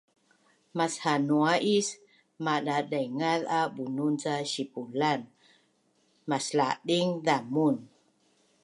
Mashanua is madadaingaz a bunun ca sipulan maslading zamun